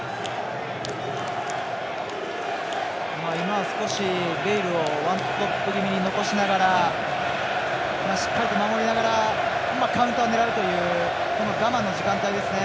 今は少しベイルをワントップ気味に残しながらしっかりと守りながらカウンターを狙うというこの我慢の時間帯ですね。